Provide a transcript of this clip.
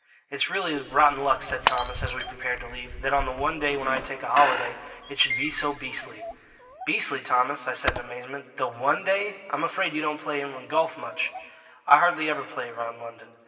"It's really rotten luck," said Thomas, as we prepared to leave, "that on the one day when I take a holiday, it should be so beastly." "Beastly, Thomas?" I said in amazement. "The one day? I'm afraid you don't play inland golf much?" "I hardly ever play round London."